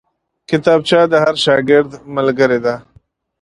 کتابچه د هر شاګرد ملګرې ده